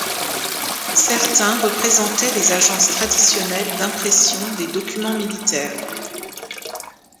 Certains représentaient les agences traditionnelles d'impression des documents militaires.